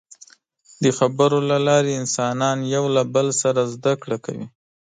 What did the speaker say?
د خبرو له لارې انسانان یو له بله زدهکړه کوي.